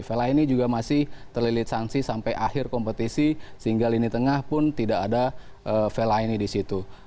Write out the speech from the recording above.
fellaini juga masih terlilit sanksi sampai akhir kompetisi sehingga lini tengah pun tidak ada fellaini di situ